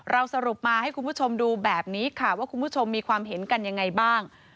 สรุปมาให้คุณผู้ชมดูแบบนี้ค่ะว่าคุณผู้ชมมีความเห็นกันยังไงบ้าง